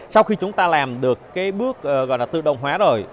sau khi chúng ta làm được bước tự động hóa rồi